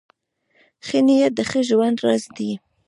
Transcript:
ښه نیت د ښه ژوند راز دی .